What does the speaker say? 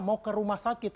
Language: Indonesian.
mau ke rumah sakit